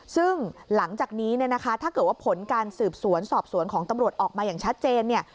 ซึ่งหลังจากนี้เนี่ยนะคะถ้าเกิดว่าผลการสืบสวนสอบสวนของตำรวจออกมาอย่างชัดเจนเนี่ย